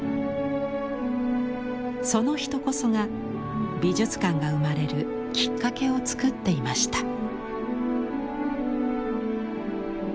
その人こそが美術館が生まれるきっかけをつくっていました。